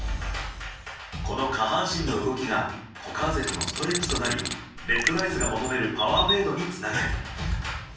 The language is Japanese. この下半身の動きが股関節のストレッチとなりＲＥＤＲＩＣＥが求めるパワーフェードにつながる。